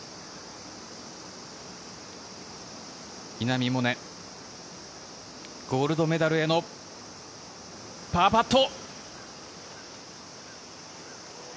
稲見萌寧、ゴールドメダルへのパーパット。